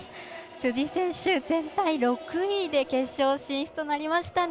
辻選手、全体６位で決勝進出となりましたね。